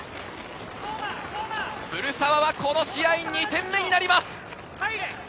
古澤はこの試合２点目になります。